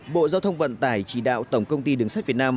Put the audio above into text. bộ giao thông vận tải chỉ đạo tổng công ty đường sắt việt nam